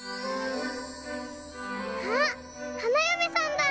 ・あっ花嫁さんだ。